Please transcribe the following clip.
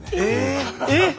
えっ！